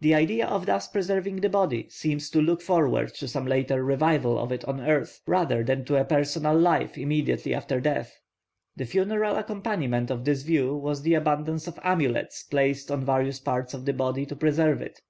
The idea of thus preserving the body seems to look forward to some later revival of it on earth, rather than to a personal life immediately after death. The funeral accompaniment of this view was the abundance of amulets placed on various parts of the body to preserve it.